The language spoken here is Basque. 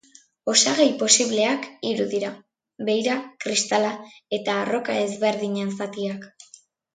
Osagai posibleak hiru dira: beira, kristala eta arroka ezberdinen zatiak.